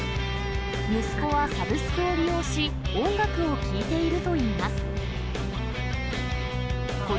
息子はサブスクを利用し、音楽を聴いているといいます。